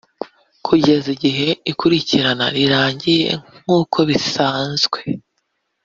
kugeza igihe ikurikirana rirangiye nk uko bisanzwe